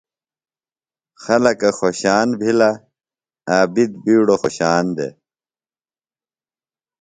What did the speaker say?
خلکہ خوشان بِھلہ۔ عابد بِیڈُوۡ خوشان دےۡ۔